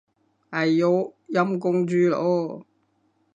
哎唷，陰公豬咯